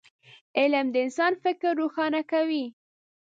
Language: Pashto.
علم د انسان فکر روښانه کوي